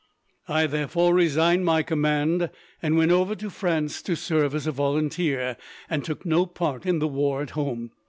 I therefore resigned my command, and went over to France to serve as a volunteer, and took no part in the war at home.